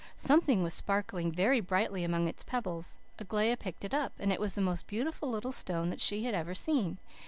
Something was sparkling very brightly among its pebbles. Aglaia picked it up, and it was the most beautiful little stone that she had ever seen.